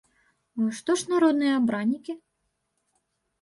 Што ж народныя абраннікі?